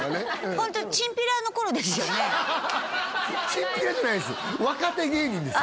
ホントチンピラじゃないです